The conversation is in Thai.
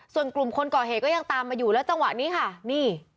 ส่วนกลุ่มคนก่อเหตุก็ยังตามมาอยู่แล้วจังหวะนี้ค่ะนี่